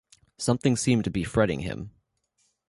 Something seemed to be fretting him.